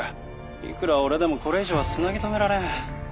いくら俺でもこれ以上はつなぎ止められん。